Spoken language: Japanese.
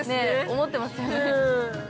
思ってますよ。